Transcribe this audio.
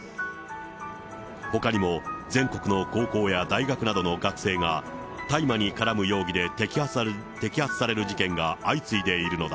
ほかにも、全国の高校や大学などの学生が大麻に絡む容疑で摘発される事件が相次いでいるのだ。